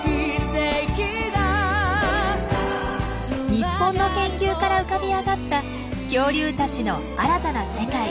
日本の研究から浮かび上がった恐竜たちの新たな世界。